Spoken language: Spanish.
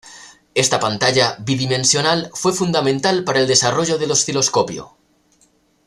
Esta pantalla bidimensional fue fundamental para el desarrollo del osciloscopio.